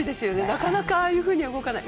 なかなかああいうふうには動けない。